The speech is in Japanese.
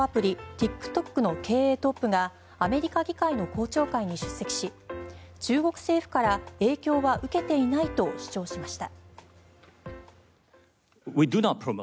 ＴｉｋＴｏｋの経営トップがアメリカ議会の公聴会に出席し中国政府から影響は受けていないと主張しました。